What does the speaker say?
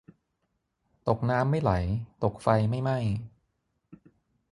ตกน้ำไม่ไหลตกไฟไม่ไหม้